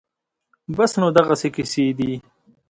بس نو دغسې قېصې دي